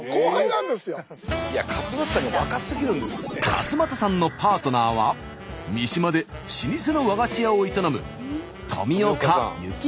勝俣さんのパートナーは三島で老舗の和菓子屋を営む